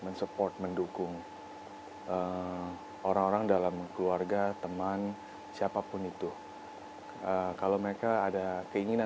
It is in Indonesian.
mensupport mendukung orang orang dalam keluarga teman siapapun itu kalau mereka ada keinginan